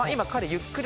ゆっくり